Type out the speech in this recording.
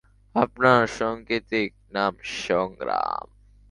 আপনার সাংকেতিক নাম সংগ্রাম।